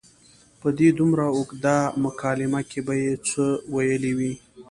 په دې دومره اوږده مکالمه کې به یې څه ویلي وي.